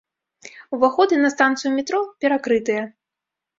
Уваходы на станцыю метро перакрытыя.